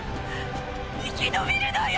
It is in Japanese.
生き延びるのよ！